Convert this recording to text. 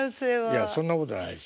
いやそんなことないですよ。